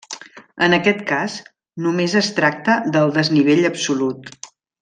En aquest cas, només es tracta del desnivell absolut.